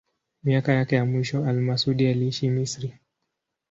Miaka yake ya mwisho al-Masudi aliishi Misri.